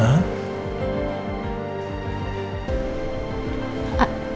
ada apa sih